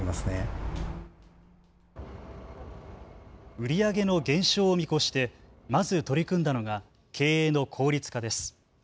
売り上げの減少を見越してまず取り組んだのが経営の効率化です。